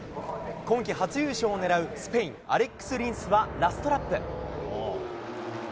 今季初優勝を狙うスペイン、アレックス・リンスはラストラップ。